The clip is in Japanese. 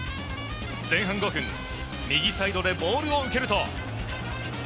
前半５分右サイドでボールを受けると。